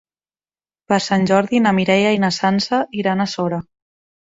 Per Sant Jordi na Mireia i na Sança iran a Sora.